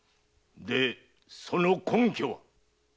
でその根拠は？